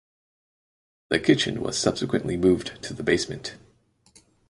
The kitchen was subsequently moved to the basement.